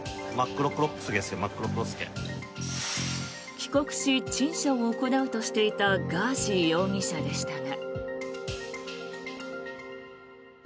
帰国し陳謝を行うとしていたガーシー容疑者でしたが。